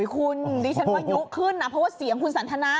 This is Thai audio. คุณดิฉันว่ายุขึ้นนะเพราะว่าเสียงคุณสันทนา